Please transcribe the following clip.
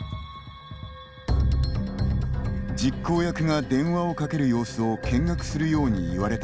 実行役が電話をかける様子を見学するように言われた